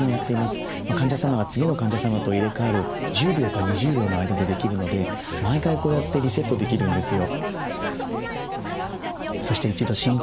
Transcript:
患者様が次の患者様と入れ代わる１０秒か２０秒の間でできるので毎回こうやってリセットできるんですよ。